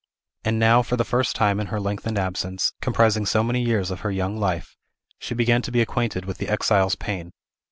And now, for the first time in her lengthened absence, comprising so many years of her young life, she began to be acquainted with the exile's pain.